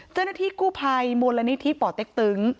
เจ้าหน้าที่กู้ภัยมูลนิธิป่อเต็กตึง